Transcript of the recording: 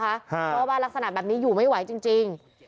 เพราะว่ารักษณะแบบนี้อยู่ไม่ไหวจริง